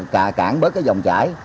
cả cản bớt cái dòng chải